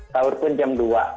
tahur pun jam dua